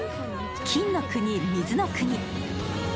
「金の国水の国」。